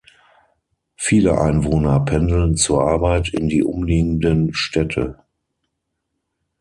Viele Einwohner pendeln zur Arbeit in die umliegenden Städte.